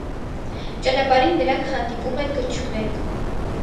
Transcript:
Ճանապարհին նրանք հանդիպում են գնչուների։